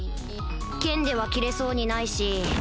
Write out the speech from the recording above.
剣では斬れそうにないし